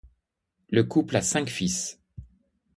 Le couple a cinq fils.